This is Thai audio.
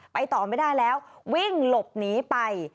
ต่อไม่ได้แล้ววิ่งหลบหนีไป